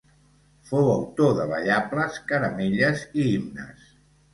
Fou autor de ballables, caramelles i himnes.